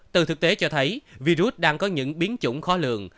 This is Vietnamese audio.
từ thực tế cho thấy virus đang có những biến chủng khó lường